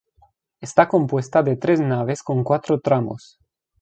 Está compuesta de tres naves con cuatro tramos.